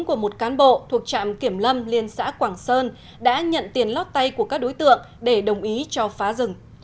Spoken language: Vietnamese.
của một cán bộ thuộc trạm kiểm lâm liên xã quảng sơn đã nhận tiền lót tay của các đối tượng để đồng ý cho phá rừng